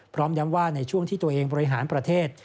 พร้อมย้ำว่าในช่วงที่ตัวเองบริหารประเทศ